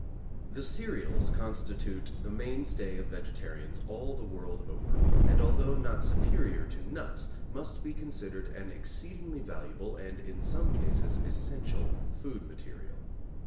The cereals constitute the mainstay of vegetarians all the world over, and although not superior to nuts, must be considered an exceedingly valuable, and, in some cases, essential food material.